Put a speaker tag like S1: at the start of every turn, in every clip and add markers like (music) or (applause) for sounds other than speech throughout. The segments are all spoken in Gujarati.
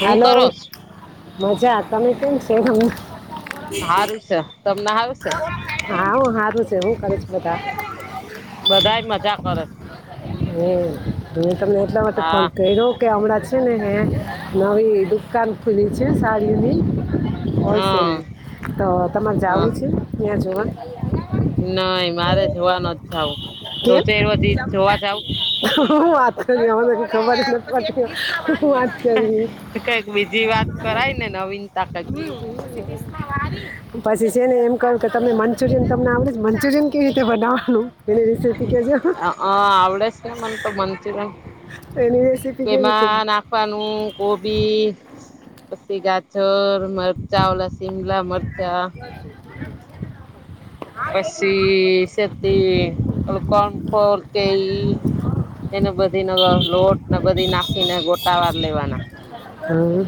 S1: હું
S2: હાલો
S1: કરોસ
S2: મજા તમે કેમ છોમ
S1: હારું છે તમને હારું છે
S2: હા હું હારું છે હું કર છ બધા
S1: બધા જ મજા કરે
S2: હ હું તમને એટલા માટે ફોન
S1: હા
S2: કર્યો કે હમણાં જ છે હ નવી દુકાન ખુલી છે સાડીની
S1: હા
S2: હોલસેલની તો તમારે જાવું છે ત્યાં જોવા
S1: નહી મારે જોવા નથ જાવ
S2: કેમ હ વાત કરી અ ખબર જ નથી પડી
S1: કઈક બીજી વાત કરાય ને નવીનતા કઈક
S2: હમ પછી છે ને એમ કહ કે તમે મંચુરિયન તમને આવડે મંચુરિયન કેવી રીતે બનાવવાનું એની રેસીપી કહેજો
S1: હ અ આવડેસ ને મને તો મંચુરિયન
S2: એની રેસીપી કેવીરીતે
S1: તેમાં નાખવાનું કોબી પછી ગાજર મરચા ઓલા શિમલા મરચા
S2: (unintelligible)
S1: પછી સે (unintelligible) કોનફોર કેઈ એને બધ (unintelligible) લોટ ને બધી નાખીને ગોટાવારલેવાના
S2: હમ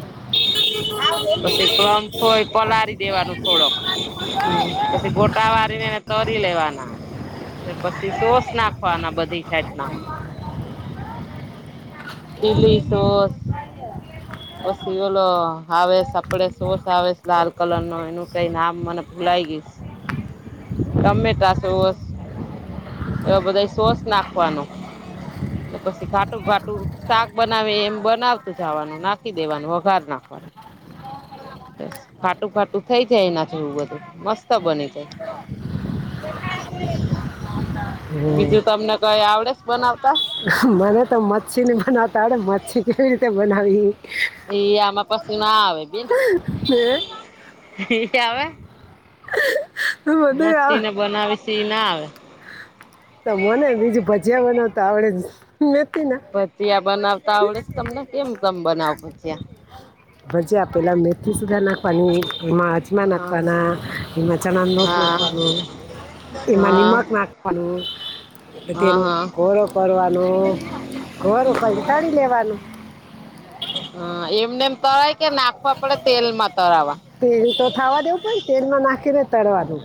S1: પછી કોર્નફ્લો પલારી દેવાનો થોડોક પછી ગોટાવારીને તરી લેવાના પછી સોસ નાખવાના બધી જાતના ચીલી સોસ
S2: (inaudible)
S1: પછી ઓલો આવે આપડે સોસ આવે લાલ કલરનો એનું કઈ નામ મને ભૂલાઈ ગયું.
S2: (inaudible)
S1: ટમેટા સોસ એવા બધા સોસ નાખવાનું પછી ઘાટું ઘાટું શાક બનાવે એમ બનાવતું જવાનું નાખી દેવાનું વઘાર નાખવાનું. બસ ઘાટું ઘાટું થઈ જાય એના જેવું બધું મસ્ત બની જાય.
S2: (inaudible) હમ
S1: બીજું તમને કઈ આવડે સે બનાવતા
S2: મને તો મચ્છી નની બનાવતાડે મચ્છી કેવી રીતે બનાવી
S1: એ આમાં પછી ના આવે બેન
S2: એ
S1: એ આવે
S2: બધું
S1: મચ્છી
S2: આવડે
S1: ને બનાવે સીં ના આવે
S2: તો મને બીજું ભજીયા બનાવ તા આવડે મચ્છી ને
S1: ભજીયા બનાવતા આવડે છે તમને કેમ તમ બનાવ ભજીયા
S2: ભજીયા પેલા મેથી સુધાર નાખવાની એમાં અજમા
S1: હા
S2: નાખવાના એમાં ચણા નો લોટ
S1: હા
S2: નાખવાનો એમાં
S1: હા
S2: નિમક નાખવાનું
S1: હા
S2: તેનું
S1: હા
S2: ઘોરો કરવાનું ઘોરો કરીન તળી લેવાનું
S1: હ એમને તરાય કે નાખવા પડે તેલમાં તરાવા
S2: તેલ તો થાવા દેવ પણ તેલમાં નાખી ને તળવા દો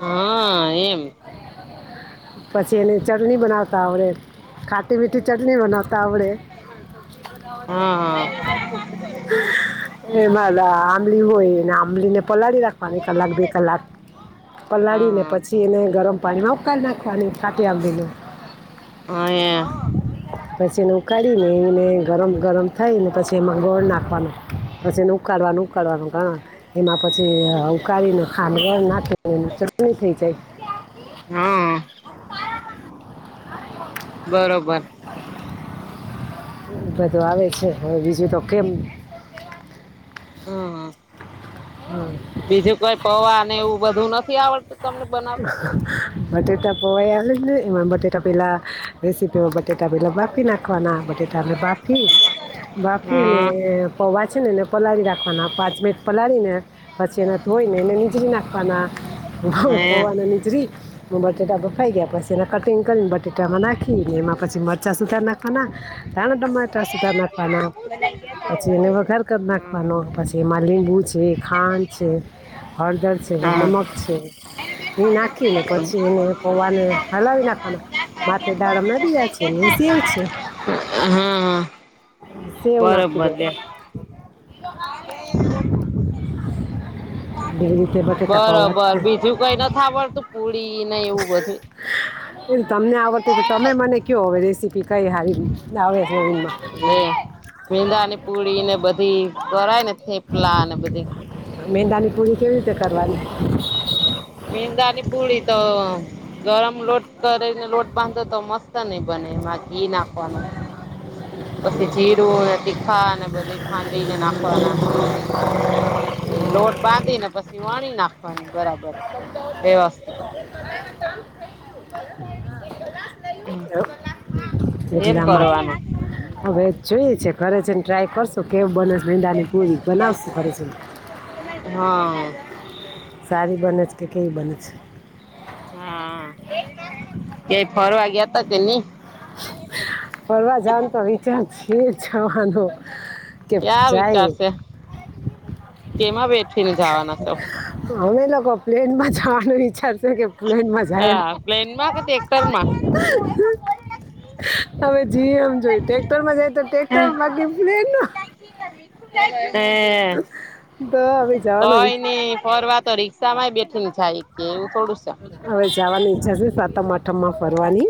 S1: હા એમ
S2: પછી ઓલી ચટણી બનાવતા આવડે ખાટી મીઠી ચટણી બનાવતા આવડે.
S1: હા હા
S2: (unintelligible) એ મા આંબલી હોય ને આંબલી ને પલાળી રાખ (unintelligible) કલાક બે કલાક પલાળીને
S1: હા
S2: પછી એને ગરમ પાણીમાં ઉકાલ નાખવાની ખાટી આંબલી ને
S1: અ
S2: પછી એને ઉકાળી ને એને ગરમ ગરમ થઈને પછી એમાં ગોળ નાખવાનો પછી ઉકાળવાનું ઉકાળવાનું હ એમાં પછી ઉકાળીને ખાંડ નાખી ચટણી થય
S1: હમ બરોબર
S2: બધું આવે છે હવે બીજું તો કેમ
S1: હ હ
S2: હમ
S1: બીજું કોઈ પૈવાને એવું બધું નથી આવડતું તમને બનાવતા?
S2: હ બટેટા પોવા ને એમાં બટેટા પેલા રેસીપીઓ બટેટા પેલા બાફી નાખવાના નાખવાના બટેટા ને બાફી બાફી ને
S1: હા
S2: પૌવા છે નેને પલાળી રાખવાના પાંચ મિનિટ પલાળીને પછી એને ધોઈ ને એને નીચરી નાખવાના
S1: હે
S2: પૈવાને નીચરી નાખવાના બટેટા બફાઈ ગયા પછી એના કટિંગ કરીને બટેટામાં નાખીને એમાં પછી મરચા સુધાર નાખ ના તણા તમાર ટમાંટર સુધાર નાકાના. પછી એને વઘાર કરી
S1: હા.
S2: નાખવાનો પછી એમાં લીંબુ છે ખાંડ છે હરદર છે નમક છે એ નાખી ને પછી એને પૌવાને હલાવી નાખવાના માથે દાડમ ના બીયા છે ને સેવ છે
S1: હા
S2: સેવ નાખી દેવાની
S1: એ
S2: એવી રીતે બટેટા પૌવા
S1: બરોબર
S2: છે.
S1: બીજું કઈ નથી આવડતું પુડી ને એવું બધું
S2: એ તમને આવડતી તો તમે મને કયો હવે રેસીપી કઈ સારી આવે જમીનમાં
S1: મેંદા ની પુડી ને બધી કરય ને થેપલા ને બધી
S2: મેંદા ની પૂરી કેવી રીતે કરવાની
S1: મેંદાની પુડી તો ગરમ લોટ કરીને લોટ બાંધો તો નહ બને એમાં ઘી નાખવાનું પછી જીરું તીખા ને બધુ ખાંડીને નાખવા લોટ બાંધી ને પછી વણી નાખવાની બરાબર વ્યવસ્થિત હમ
S2: એટલામાં હવે જોઈ છે ઘરે છે ને ટ્રાય કરશુ તો કેવું બનેશ મેદાની પૂરી બનાવશ ખરે છે
S1: હા
S2: સારી બને છે કે કેઈ બને છે
S1: હા ક્યાંય ફરવા ગયા તા કે ની
S2: ફરવા જાવનો તો વિચાર છે જાવાનો
S1: ક્યા વિચારશે કેમાં બેઠી ને જવાના સો
S2: મમ્મી લોકો પ્લેન માં જવાનું વિચારેછે કે પ્લેન માં જાય
S1: હા પ્લેનમાં કે ટેક્ટરમાં
S2: હવે જી હમ જોયી ટેક્ટર માં જાય તો ટ્રેક્ટર માં બાકી પ્લેન
S1: હે
S2: તો હવે જવાનો
S1: કઈ
S2: વિચ-
S1: નઈ ફરવા તો રિક્ષા માંય બેસી ને જાય કે એવું થોડું શે
S2: હવે જવાની ઈચ્છા છે સાતમ આઠમ માં ફરવાની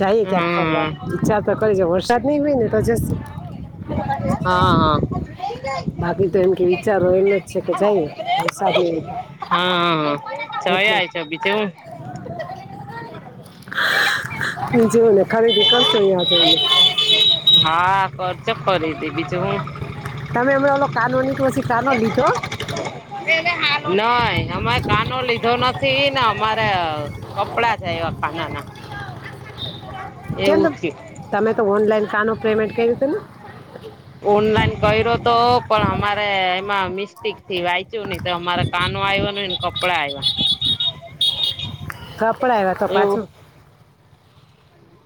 S2: જાઈએ ક્યાંક ફરવા
S1: હમ
S2: ઈચ્છા તો ખરી છે વરસાદ નઈ હોય ને તો જશુ
S1: હા હા
S2: (inaudible)
S1: હા
S2: બાકી તો એમ કે વિચારો એમ જ છે કે જઈએ વરસાદ નહીં હોય તો.
S1: હા છયા જે બીજું શું
S2: બીજું શું છે ખરીદી કરસુ ત્યાં જઈને
S1: હા કરજે ખરીદી બીજું હું
S2: તમે હમણા ઓલો કાનો ની (unintelligible) પછી કાનો લીધો
S1: નઈ અમે કાનો લીધો નથી થી ને અમારે કપડાં છે અયવા કાનાના
S2: કેમ ત
S1: એવું થયું
S2: તમે તો ઓનલાઈન કાનો પેમેન્ટ કર્યું હતું ને
S1: ઓનલાઈન કર્યો તો પણ અમારે એમાં મિસ્ટેક થી વાંચ્યું નહીં તે અમારા કાનો આવ્યો નઈ ને કપડા આવ્યા
S2: કપડા અયવા તો
S1: એવું
S2: પાછું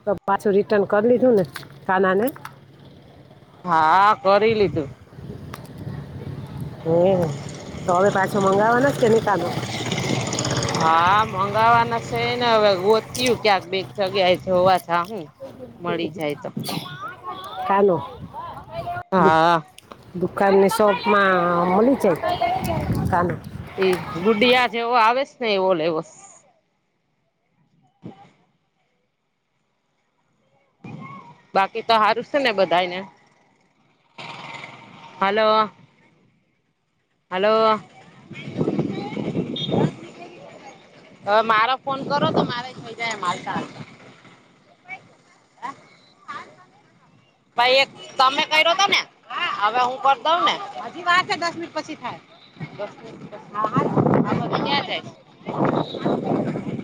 S2: તો પાછું રિટર્ન કરી લીધું ને કાના ને?
S1: હા કરી લીધું
S2: હોવે ને તો હવે પાછો મંગાવવાના જે કે નિ કાનો
S1: હા મંગાવવાનો છે ને હવે ગોતયુ ક્યાંક બે જગ્યા કે જોવા જા હું મળી જાય તો.
S2: હાલો
S1: હા
S2: દુકાનની શોપ માં મલી જાય કાનો
S1: એ ગુડિયા જેવો આવે છે ને એવો લેવો શે બાકી તો હારું છે ને બધાય ને હલો હલો હવે મારો ફોન કરો તો મારેઈ થઈ જાય આમા હાલતા હાલતા ભાઈ એક તમે કર્યો હતો ને હવે હું કરી દઉં ને હજી વાત છે દસ મિનિટ પછી થાય હા હા પછી ક્યા જાય (inaudible)